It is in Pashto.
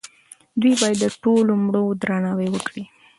دوی باید د ټولو مړو درناوی وکړي.